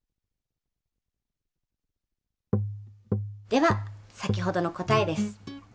では先ほどの答えです。